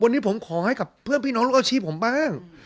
วันนี้ผมขอให้กับเพื่อนพี่น้องลูกอาชีพผมบ้าง